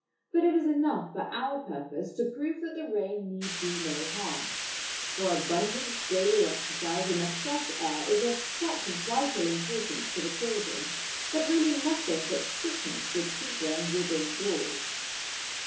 But it is enough for our purpose to prove that the rain need do no harm ; for abundant daily exercise in the fresh air is of such vital importance to the children, that really nothing but sickness should keep them within doors.